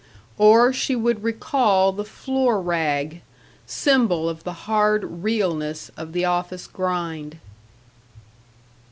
Or she would recall the floor rag symbol of the hard realness of the office grind....